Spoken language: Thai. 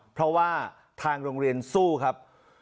เพราะว่าทางโรงเรียนสู้ครับ